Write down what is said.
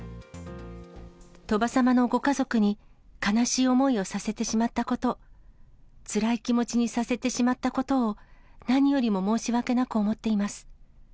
鳥羽様のご家族に悲しい思いをさせてしまったこと、つらい気持ちにさせてしまったことを、何よりも申し訳なく思っています。